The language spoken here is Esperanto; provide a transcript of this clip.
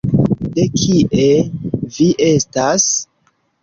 De kie vi estas?